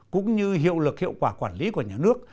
cũng như hiệu lực hiệu quả quản lý của nhà nước